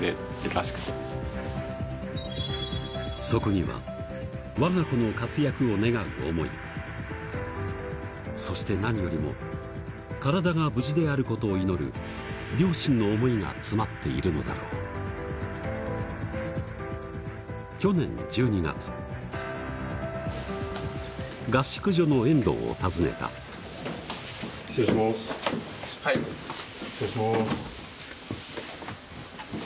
そこにはわが子の活躍を願う思いそして何よりも体が無事であることを祈る両親の思いが詰まっているのだろう去年１２月合宿所の遠藤を訪ねた失礼します。